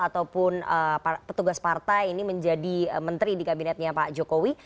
ataupun petugas partai ini menjadi menteri di kabinetnya pak jokowi